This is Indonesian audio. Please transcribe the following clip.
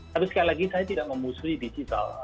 tapi sekali lagi saya tidak memusuhi digital